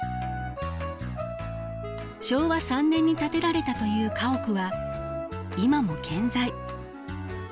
昭和３年に建てられたという家屋は今も健在。